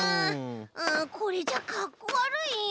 ああこれじゃかっこわるいよ！